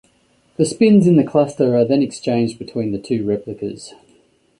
The spins in the cluster are then exchanged between the two replicas.